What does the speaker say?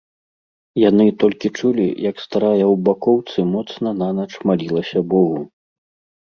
Яны толькі чулі, як старая ў бакоўцы моцна нанач малілася богу.